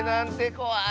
こわい。